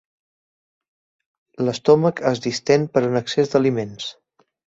L'estómac es distén per un excés d'aliments.